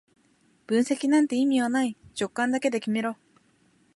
分析なんて意味はない、直感だけで決めろ